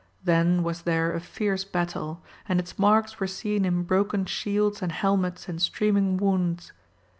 Then was there a fierce battle, and its marks were seen in broken shields and helmets and streaming wounds.